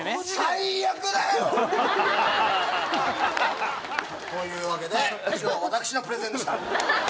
最悪だよ！というわけで以上私のプレゼンでした。